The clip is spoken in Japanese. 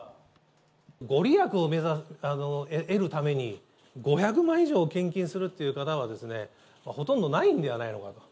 御利益を得るために、５００万以上献金するという方はほとんどないんではないのかなと。